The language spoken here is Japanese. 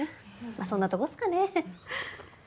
まあそんなとこっすかね。